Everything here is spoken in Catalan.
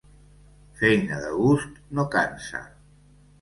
Feina de gust no cansa.